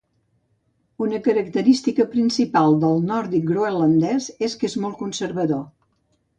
Una característica principal del nòrdic groenlandès és que era molt conservador.